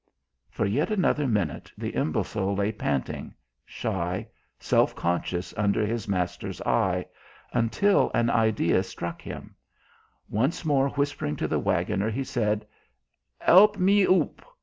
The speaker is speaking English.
For yet another minute the imbecile lay panting, shy, self conscious under his master's eye until an idea struck him; once more whispering to the waggoner, he said: "'Elp me oop.